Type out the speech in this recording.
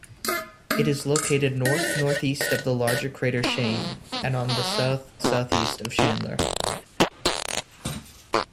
It is located north-northeast of the larger crater Shayn, and south-southeast of Chandler.